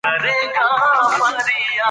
که وینا ښه وي نو اوریدونکی نه ځي.